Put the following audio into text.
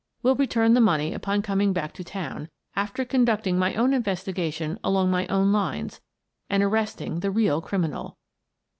Will return the money upon coming back to town, after conducting my own investiga tion along my own lines and arresting the real criminal.